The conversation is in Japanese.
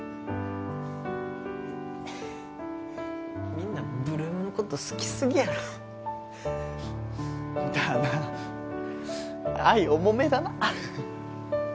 みんな８ＬＯＯＭのこと好きすぎやろだな愛重めだな